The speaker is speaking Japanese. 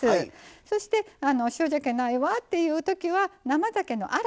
そして塩じゃけないわっていうときは生ざけのアラ。